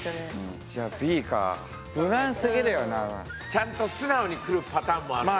ちゃんと素直にくるパターンもあるから。